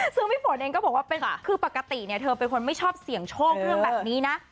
ซึ่งพี่ฝนเองก็บอกว่าคือปกติเธอเป็นคนไม่ชอบเสี่ยงโชคเรื่องแบบนี้นะ